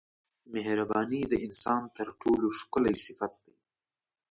مهرباني د انسان تر ټولو ښکلی صفت دی.